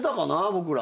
僕ら。